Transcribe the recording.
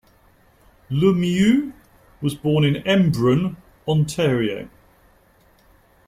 Lemieux was born in Embrun, Ontario.